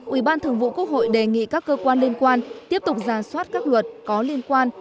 ủy ban thường vụ quốc hội đề nghị các cơ quan liên quan tiếp tục ra soát các luật có liên quan